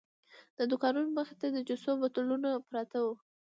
د دوکانونو مخې ته د جوسو بوتلونه پراته وو.